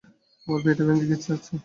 আমার বিয়েটা ভেঙে যাচ্ছে।